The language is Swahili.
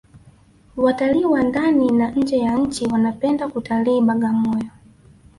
watalii wa ndani na nje ya nchi wanapenda kutalii bagamoyo